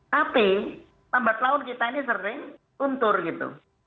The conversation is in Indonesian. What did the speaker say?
tapi lambat laun kita ini sering tuntur gitu